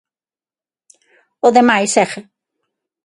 O demais segue.